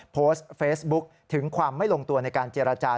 โพสต์เฟซบุ๊คถึงความไม่ลงตัวในการเจรจา